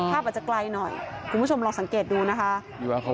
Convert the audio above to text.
อาจจะไกลหน่อยคุณผู้ชมลองสังเกตดูนะคะ